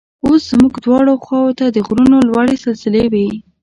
اوس زموږ دواړو خواو ته د غرونو لوړې سلسلې وې.